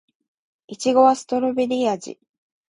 いちごはストベリー味